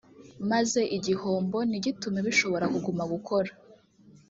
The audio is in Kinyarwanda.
maze igihombo ntigitume bishobora kuguma gukora